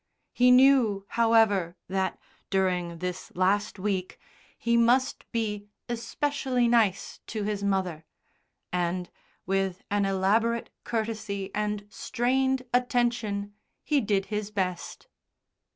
He knew, however, that, during this last week he must be especially nice to his mother, and, with an elaborate courtesy and strained attention, he did his best.